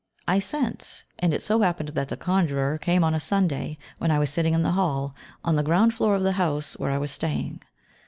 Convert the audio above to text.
I sent, and it so happened that the conjurer came on a Sunday, when I was sitting in the hall, on the ground floor of the house where I was staying.